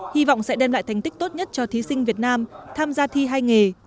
hy vọng sẽ đem lại thành tích tốt nhất cho thí sinh việt nam tham gia thi hai nghề